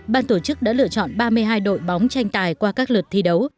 ban tổ chức đã lựa chọn ba mươi hai đội bóng tranh tài qua các lượt thi đấu